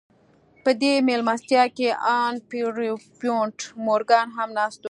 په دې مېلمستیا کې ان پیرپونټ مورګان هم ناست و